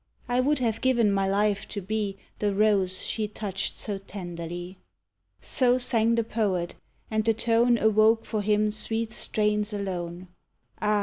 "I would have given my life to be The rose she touched so tenderly." So sang the poet, and the tone Awoke for him sweet strains alone. Ah!